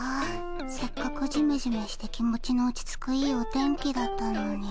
せっかくジメジメして気持ちの落ち着くいいお天気だったのに。